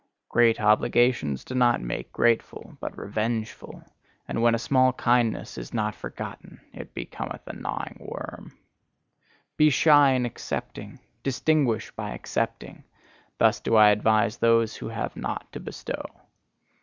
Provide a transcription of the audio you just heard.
Great obligations do not make grateful, but revengeful; and when a small kindness is not forgotten, it becometh a gnawing worm. "Be shy in accepting! Distinguish by accepting!" thus do I advise those who have naught to bestow.